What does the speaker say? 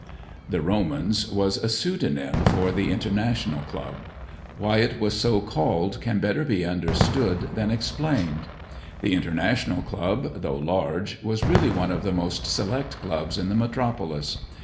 The "Romans" was a pseudonym for the International Club. Why it was so called can better be understood than explained. The International Club, though large, was really one of the most select clubs in the metropolis.